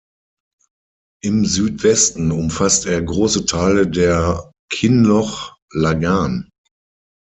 Im Südwesten umfasst er große Teile der Kinloch Laggan.